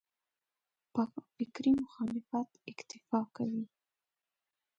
په فکري مخالفت اکتفا کوي.